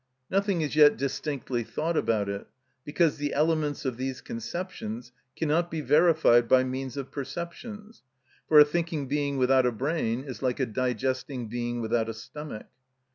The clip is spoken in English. Nothing is yet distinctly thought about it, because the elements of these conceptions cannot be verified by means of perceptions, for a thinking being without a brain is like a digesting being without a stomach.